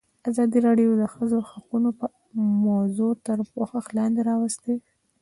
ازادي راډیو د د ښځو حقونه موضوع تر پوښښ لاندې راوستې.